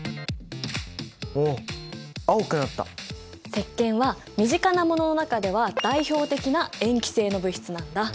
石けんは身近なものの中では代表的な塩基性の物質なんだ。